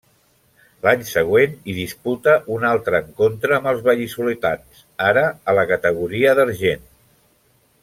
L'any següent hi disputa un altre encontre amb els val·lisoletans, ara a la categoria d'argent.